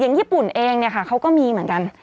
ญี่ปุ่นเองเนี่ยค่ะเขาก็มีเหมือนกัน